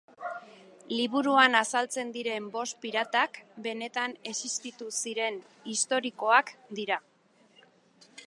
Liburuan azaltzen diren bost piratak benetan existitu ziren, historikoak dira.